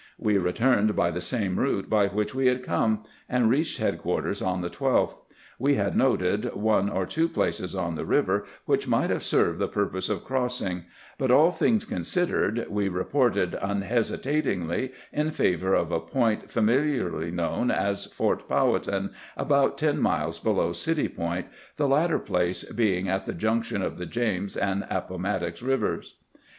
We returned by the same route by which we had come, and reached headquarters on the 12th. We had noted one or two places on the river which might AN IMPOBTANT MISSION 189 have served tlie purpose of crossing; but, all things considered, we reported unhesitatingly in favor of a point familiarly known as Fort Powhatan, about ten miles below City Point, the latter place being at the junction of the James and Appomattox rivers.